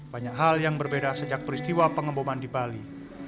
banyak hal yang berbeda sejak peristiwa pengeboman di bali